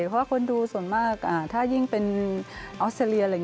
แต่ว่าคนดูส่วนมากถ้าเยี่ยงเป็นออนเตอร์เซเลีย